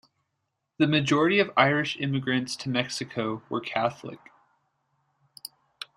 The majority of Irish immigrants to Mexico were Catholic.